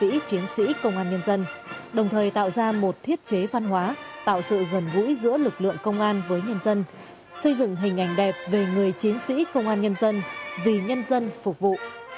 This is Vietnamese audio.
các chiến sĩ công an nhân dân đồng thời tạo ra một thiết chế văn hóa tạo sự gần gũi giữa lực lượng công an với nhân dân xây dựng hình ảnh đẹp về người chiến sĩ công an nhân dân vì nhân dân phục vụ